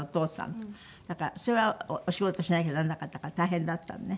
だからそれはお仕事しなきゃならなかったから大変だったのね。